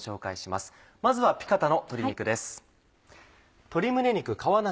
まずはピカタの鶏肉です。